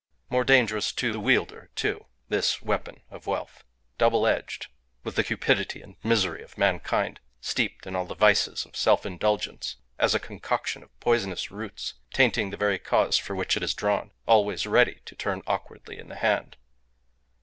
More dangerous to the wielder, too, this weapon of wealth, double edged with the cupidity and misery of mankind, steeped in all the vices of self indulgence as in a concoction of poisonous roots, tainting the very cause for which it is drawn, always ready to turn awkwardly in the hand.